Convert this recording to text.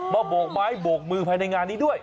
โบกไม้โบกมือภายในงานนี้ด้วย